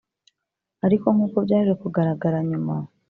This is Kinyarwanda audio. Ariko nk’uko byaje kugaragara nyuma